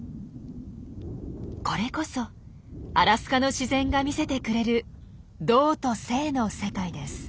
これこそアラスカの自然が見せてくれる動と静の世界です。